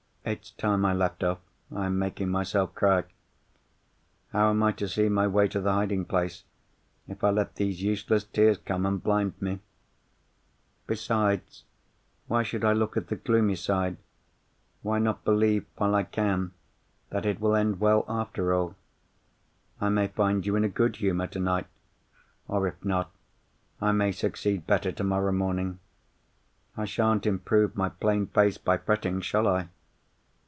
"It's time I left off. I am making myself cry. How am I to see my way to the hiding place if I let these useless tears come and blind me? "Besides, why should I look at the gloomy side? Why not believe, while I can, that it will end well after all? I may find you in a good humour tonight—or, if not, I may succeed better tomorrow morning. I sha'n't improve my plain face by fretting—shall I?